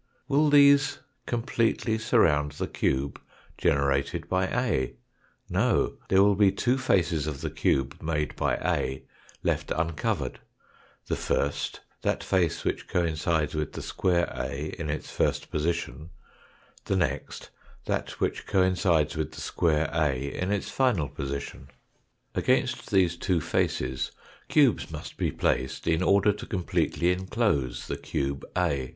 Will these completely sur round the cube generated by A ? No ; there will be two faces of the cube made by A left uncovered ; the first, that face which coincides with the Fig. 96. square A in its first position ; the next, that which coincides with the square A in its final position. Against these two faces cubes must be placed in order to completely enclose the cube A.